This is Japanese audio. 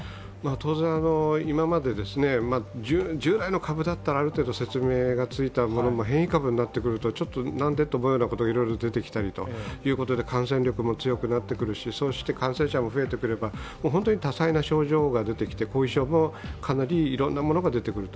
当然、今まで従来の株だったら、ある程度説明がついたものが変異株になってくると、何で思うようなことも出てきたりということで、感染力も強くなってくるしそして感染者も増えてくれば本当に多彩な症状が出てきて、後遺症もかなりいろんなものが出てくると。